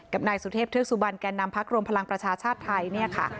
นายสุเทพเทือกสุบันแก่นำพักรวมพลังประชาชาติไทยเนี่ยค่ะ